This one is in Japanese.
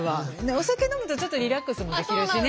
お酒飲むとちょっとリラックスもできるしね。